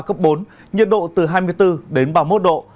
cấp bốn nhiệt độ từ hai mươi bốn đến ba mươi một độ